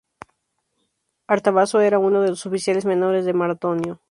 Artabazo era uno de los oficiales menores de Mardonio.